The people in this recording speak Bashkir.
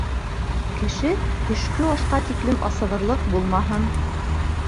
Кеше төшкө ашҡа тиклем асығырлыҡ булмаһын.